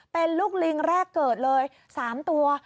เป็นลูกลิงแรกเกิดเลย๓ตัว